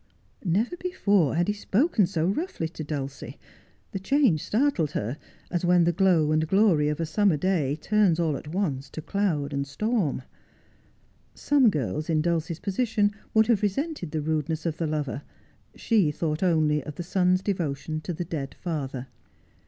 ' Never before had he spoken so roughly to Dulcie. The change startled her, as when the glow and glory of a summer day turns all at once to cloud and storm. Some girls in Dulcie's position would have resented the rudeness of the lover ; she thought only 22 Just as I Am. of the son's devotion to a dead father.